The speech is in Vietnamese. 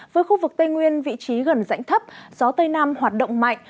với khu vực tây nguyên vị trí gần rãnh thấp gió tây nam hoạt động mạnh